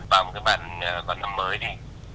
vào một cái bàn bàn năm mới đi